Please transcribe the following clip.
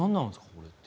これって。